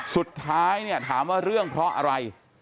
สุดท้ายเนี่ยถามว่าเรื่องเพราะอะไร